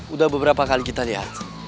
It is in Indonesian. udah beberapa kali kita lihat